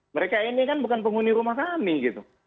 mereka ini kan bukan penghuni rumah kami gitu